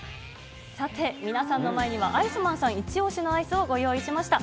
皆さんの前にはアイスマンさんイチ押しのアイスをご用意しました。